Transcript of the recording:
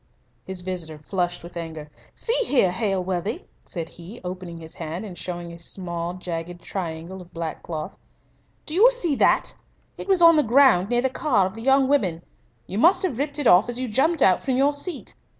His visitor flushed with anger. "See here, Hailworthy," said he, opening his hand and showing a small, jagged triangle of black cloth. "Do you see that? It was on the ground near the car of the young women. You must have ripped it off as you jumped out from your seat.